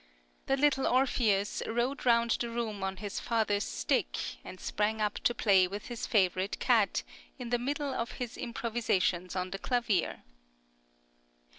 The little Orpheus rode round the room on his father's stick, and sprang up to play with his favourite cat, in the middle of his improvisations on the clavier.